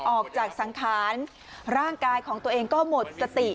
ออกจากสังขารร่างกายของตัวเองก็หมดสติ